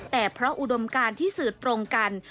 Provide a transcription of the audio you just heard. แต่เพราะอุดมการที่สื่อตรงกัน